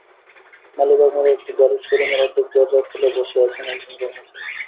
মালিবাগ মোড়ে একটি গাড়ির শো-রুমের অর্ধেক দরজা খুলে বসে আছেন একজন কর্মচারী।